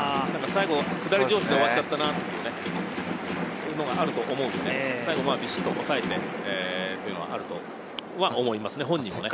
最後、下り調子で終わっちゃったなっていうのがあると思うんで、最後ビシっと抑えてっていうのはあるとは思いますね。